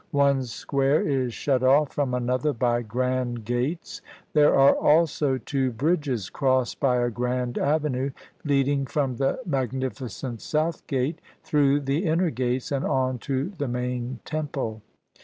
One square is shut off from another by grand gates. There are also two bridges crossed by a grand avenue leading from the magnificent south gate, through the inner gates, and on to the main temple.